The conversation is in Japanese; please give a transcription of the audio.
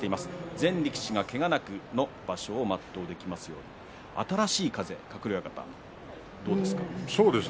全力士が、けがなくの場所を全うできますように新しい風、鶴竜親方どうですか？